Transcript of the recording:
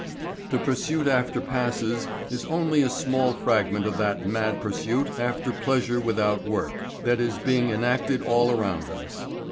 The pursuit after passes is only a small fragment of that mad pursuit after "pleasure without work" that is being enacted all around us.